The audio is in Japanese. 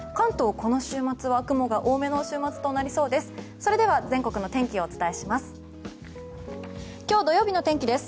この週末は雲が多めとなりそうです。